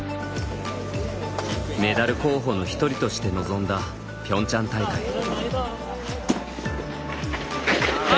メダル候補のひとりとして臨んだピョンチャン大会。